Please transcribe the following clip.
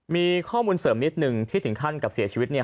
มีข้อมูลเสริมนิดนึงที่ถึงขั้นกับเสียชีวิตเนี่ย